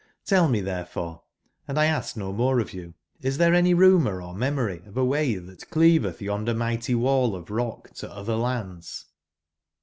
tTell me therefore (and 1 ask no more of you), is there anyrumourormemoryof away tbat cleaveth yonder mighty wallof rock to other lands?"